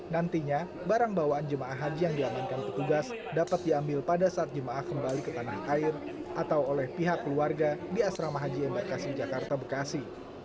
nantinya barang bawaan jemaah haji yang diamankan petugas dapat diambil pada saat jemaah kembali ke tanah air atau oleh pihak keluarga di asrama haji embarkasi jakarta bekasi